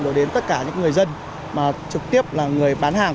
đối với tất cả những người dân trực tiếp là người bán hàng